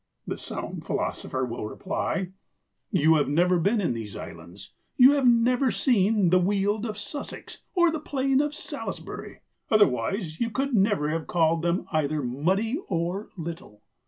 The sound philosopher will reply, "You have never been in these islands; you have never seen the weald of Sussex or the plain of Salisbury; otherwise you could never have called them either muddy or little."